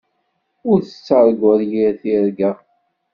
Ur tettarguḍ yir tirga.